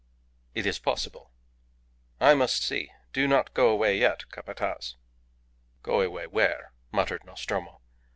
"It is possible." "I must see. Do not go away yet, Capataz." "Go away where?" muttered Nostromo.